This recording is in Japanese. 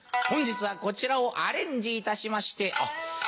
本日はこちらをアレンジいたしまして。